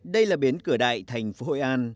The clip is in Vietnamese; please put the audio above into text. đây là biến cửa đại thành phố hội an